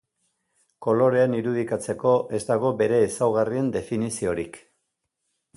Kolorean irudikatzeko ez dago bere ezaugarrien definiziorik.